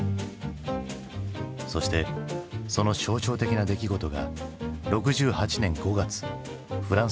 そしてその象徴的な出来事が６８年５月フランスで起きる。